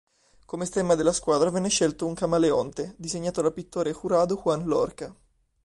Come stemma della squadra venne scelto un camaleonte, disegnato dal pittore Jurado Juan Lorca.